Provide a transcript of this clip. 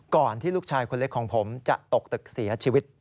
ที่ลูกชายคนเล็กของผมจะตกตึกเสียชีวิต